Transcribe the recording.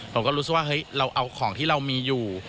ผมก็รู้สึกว่าเฮ้ยเราเอาของที่เรามีอยู่